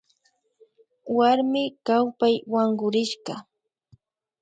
Warmi kawpay wankurishka